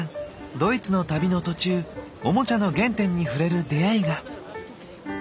ドイツの旅の途中オモチャの原点に触れる出会いが。